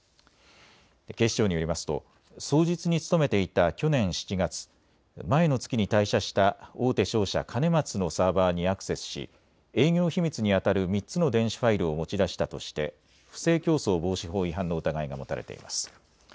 警視庁によりますと双日に勤めていた去年７月、前の月に退社した大手商社、兼松のサーバーにアクセスし営業秘密にあたる３つの電子ファイルを持ち出したとして不正競争防止法違反の疑いが持たれています。